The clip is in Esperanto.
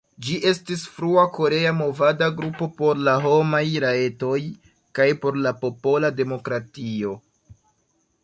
Ĝi estis frua korea movada grupo por la homaj rajtoj, kaj por popola demokratio.